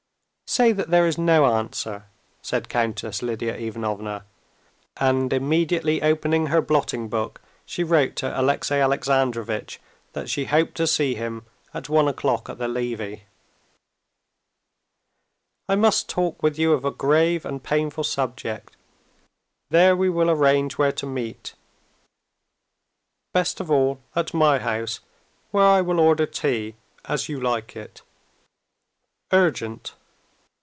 "Say that there is no answer," said Countess Lidia Ivanovna, and immediately opening her blotting book, she wrote to Alexey Alexandrovitch that she hoped to see him at one o'clock at the levee. "I must talk with you of a grave and painful subject. There we will arrange where to meet. Best of all at my house, where I will order tea as you like it. Urgent.